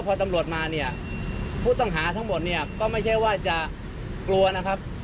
พอตำรวจมาเนี่ยผู้ต้องหาทั้งหมดเนี่ยก็ไม่ใช่ว่าจะกลัวนะครับ